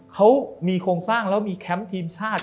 เขามีโครงสร้างแล้วมีแคมป์ทีมชาติ